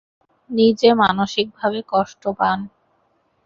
নিজে মানসিক ভাবে কষ্ট পান।